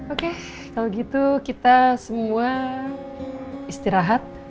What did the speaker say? oke kalau gitu kita semua istirahat